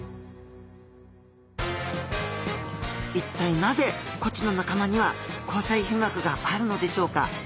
一体なぜコチの仲間には虹彩被膜があるのでしょうか？